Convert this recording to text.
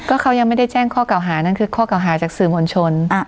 ก็เขายังไม่ได้แจ้งข้อเก่าหานั่นคือข้อเก่าหาจากสื่อมวลชน